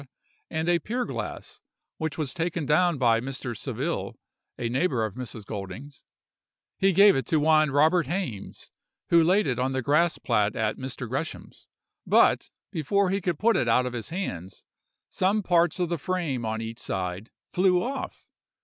and a pier glass, which was taken down by Mr. Saville (a neighbor of Mrs. Golding's); he gave it to one Robert Hames, who laid it on the grass plat at Mrs. Gresham's: but, before he could put it out of his hands, some parts of the frame on each side flew off!